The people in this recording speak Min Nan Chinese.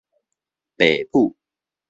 爸母